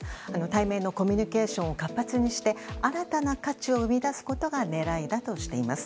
対面のコミュニケーションを活発にして新たな価値を生み出すことが狙いだとしています。